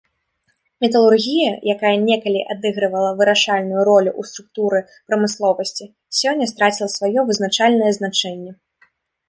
Металургія, якая некалі адыгрывала вырашальную ролю ў структуры прамысловасці, сёння страціла сваё вызначальнае значэнне.